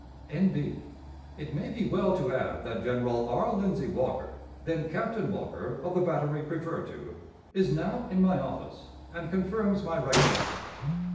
_ "N.B.: It may be well to add that General R. Lindsey Walker (then Captain Walker, of the battery referred to) is now in my office, and confirms my recollection....